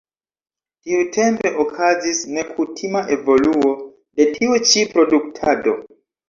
Tiutempe okazis nekutima evoluo de tiu ĉi produktado.